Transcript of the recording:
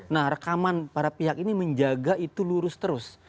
nah rekaman para pihak ini menjaga itu lurus terus